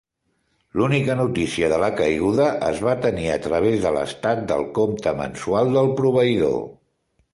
L'única notícia de la caiguda es va tenir a través de l'estat del compte mensual del proveïdor.